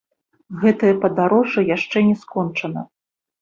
Гэтае падарожжа яшчэ не скончана.